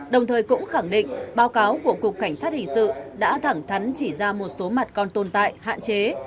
đồng thời cũng khẳng định báo cáo của cục cảnh sát hình sự đã thẳng thắn chỉ ra một số mặt còn tồn tại hạn chế